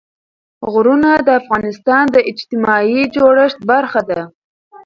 غرونه د افغانستان د اجتماعي جوړښت برخه ده.